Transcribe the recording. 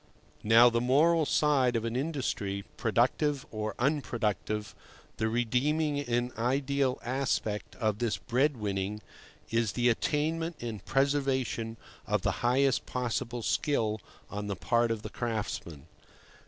Now, the moral side of an industry, productive or unproductive, the redeeming and ideal aspect of this bread winning, is the attainment and preservation of the highest possible skill on the part of the craftsmen.